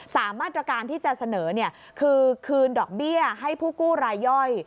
มาตรการที่จะเสนอคือคืนดอกเบี้ยให้ผู้กู้รายย่อย